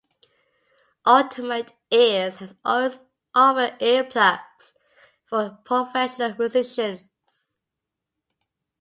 Ultimate Ears has always offered earplugs for professional musicians.